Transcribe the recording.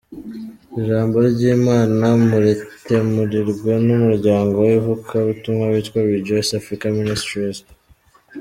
Ijambo ry’Imana muritegurirwa n’umuryango w’ivugabutumwa witwa Rejoice Africa Ministries.